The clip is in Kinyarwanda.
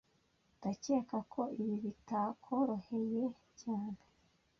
Ndakeka ko ibi bitakworoheye cyane